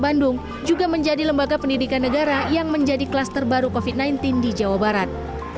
bandung juga menjadi lembaga pendidikan negara yang menjadi kelas terbaru covid sembilan belas di jawa barat